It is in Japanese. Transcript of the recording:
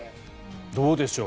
どうでしょう。